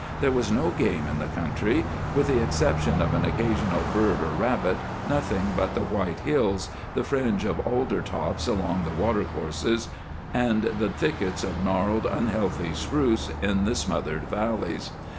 There was no game in the country, with the exception of an occasional bird or rabbit, nothing but the white hills, the fringe of alder tops along the watercourses, and the thickets of gnarled, unhealthy spruce in the smothered valleys.